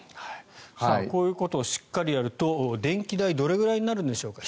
こういうことをしっかりやると電気代はどれくらいになるんでしょうか。